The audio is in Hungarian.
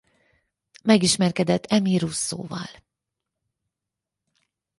Megismerkedett Emil Rousseau-val.